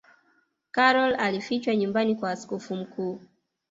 karol alifichwa nyumbani kwa askofu mkuu